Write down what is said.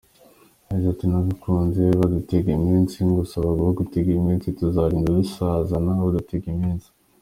Yagize ati “Nagukunze badutega iminsi, ngushaka badutega iminsi, tuzarinda dusazana badutega iminsi.